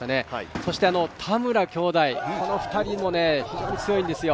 そして田村兄弟、この２人も非常に強いんですよ。